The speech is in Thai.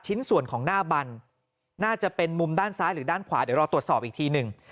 ชิ้นส่วนของหน้าบันน่าจะเป็นมุมด้านซ้ายหรือด้านขวาเดี๋ยวรอตรวจสอบอีกทีหนึ่ง